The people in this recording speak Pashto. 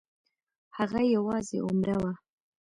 هغه یوازې عمره وه.